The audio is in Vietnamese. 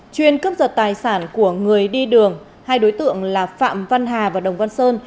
chuyên cướp giật tài sản của người đi đường hai đối tượng là phạm văn hà và đồng văn sơn